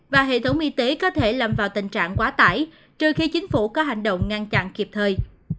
và hệ thống y tế có thể làm vào tình trạng quá tải trừ khi chính phủ có hành động ngăn chặn kịp thời